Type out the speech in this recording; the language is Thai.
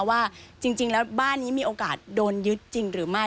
ว่าจริงแล้วบ้านนี้มีโอกาสโดนยึดจริงหรือไม่